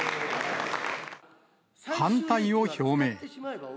反対を表明。